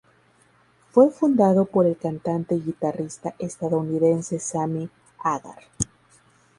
Fue fundado por el cantante y guitarrista estadounidense Sammy Hagar.